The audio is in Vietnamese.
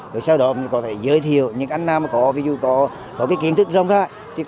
rồi sau đó có thể giới thiệu những anh nam có kiến thức rong rại